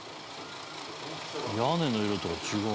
「屋根の色とか違う」